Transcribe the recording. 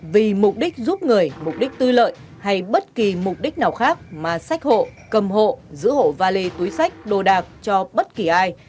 vì mục đích giúp người mục đích tư lợi hay bất kỳ mục đích nào khác mà sách hộ cầm hộ giữ hộ valet túi sách đồ đạc cho bất kỳ ai